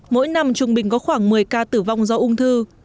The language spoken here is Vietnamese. mỗi năm trung bình có khoảng một mươi ca tử vong do ung thư